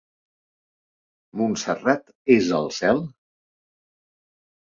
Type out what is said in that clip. Montserrat és el cel?